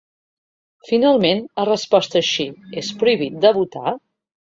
Finalment ha respost així: És prohibit de votar?